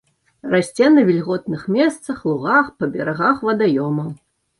Расце на вільготных месцах, лугах, па берагах вадаёмаў.